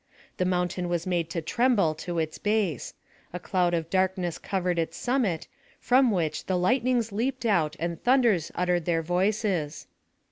The mountain was made to tremble to its base. A cloud of darkness covered its summit, from which the lightnings leaped out and thunders uttered their voices.